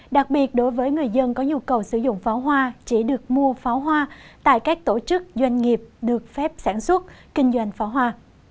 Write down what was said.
đặc biệt đối với người dân có nhu cầu sử dụng pháo hoa chỉ được mua pháo hoa tại các tổ chức doanh nghiệp được phép sản xuất kinh doanh pháo hoa